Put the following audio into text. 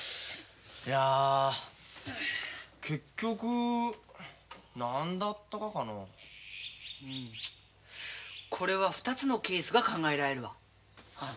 いや結局何だったがかの？これは２つのケースが考えられるわ。